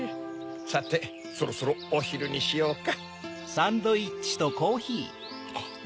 さてそろそろおひるにしようか。